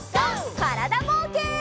からだぼうけん。